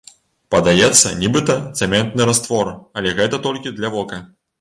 Падаецца нібыта цэментны раствор, але гэта толькі для вока.